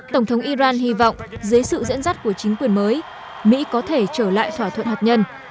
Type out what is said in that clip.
tổng thống iran hy vọng dưới sự dẫn dắt của chính quyền mới mỹ có thể trở lại thỏa thuận hạt nhân